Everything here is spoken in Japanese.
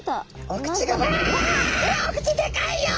お口でかいよ。